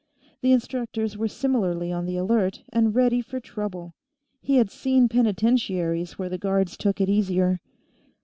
The instructors were similarly on the alert and ready for trouble he had seen penitentiaries where the guards took it easier.